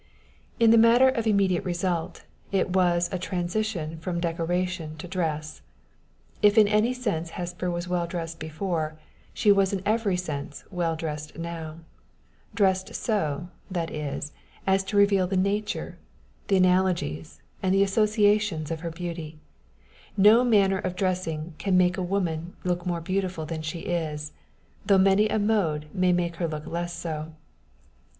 In the matter of immediate result, it was a transition from decoration to dress. If in any sense Hesper was well dressed before, she was in every sense well dressed now dressed so, that is, as to reveal the nature, the analogies, and the associations of her beauty: no manner of dressing can make a woman look more beautiful than she is, though many a mode may make her look less so.